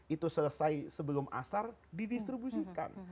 itu selesai sebelum asar didistribusikan